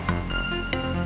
usman ada yang ngejar